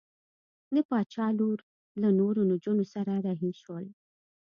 د باچا لور له نورو نجونو سره رهي شول.